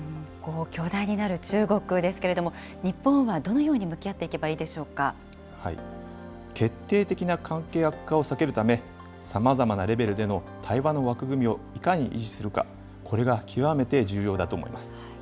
強大になる中国ですけれども、日本はどのように向き合っていけ決定的な関係悪化を避けるため、さまざまなレベルでの対話の枠組みをいかに維持するか、これが極めて重要だと思います。